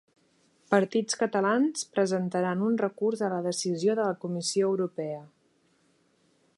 Partits catalans presentaran un recurs a la decisió de la Comissió Europea